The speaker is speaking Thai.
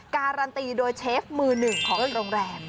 การันตีโดยเชฟมือหนึ่งของโรงแรม